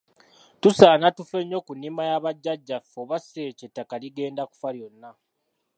Tusaana tufe nnyo ku nnima ya bajjajjaffe oba si ekyo ettaka ligenda kufa lyonna.